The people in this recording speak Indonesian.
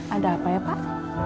ada apa ya pak